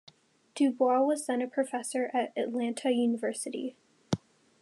Du Bois was then a professor at Atlanta University.